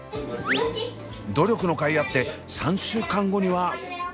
努力のかいあって３週間後には。